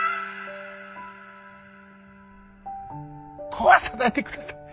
壊さないでください。